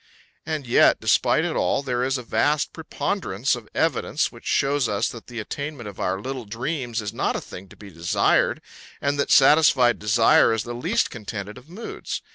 And yet, despite it all, there is a vast preponderance of evidence which shows us that the attainment of our little dreams is not a thing to be desired, and that satisfied desire is the least contented of moods.